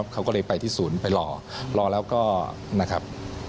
เขาก็เลยไปที่ศูนย์ไปรอรอแล้วก็นะครับ